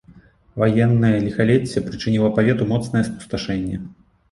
Ваеннае ліхалецце прычыніла павету моцнае спусташэнне.